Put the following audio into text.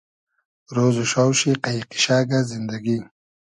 رۉز و شاو شی قݷ قیشئگۂ زیندئگی